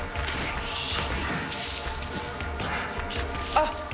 あっ。